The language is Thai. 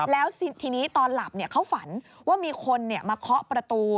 แล้วทีนี้ตอนหลับเขาฝันว่ามีคนมาเคาะประตู